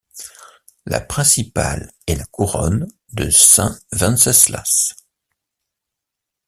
La principale est la couronne de saint Venceslas.